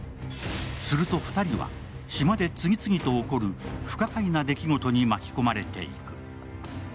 すると、２人は島で次々と起こる不可解な出来事に巻き込まれていく。